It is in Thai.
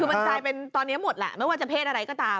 คือมันกลายเป็นตอนนี้หมดแหละไม่ว่าจะเพศอะไรก็ตาม